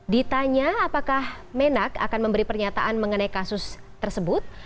ditanya apakah menak akan memberi pernyataan mengenai kasus tersebut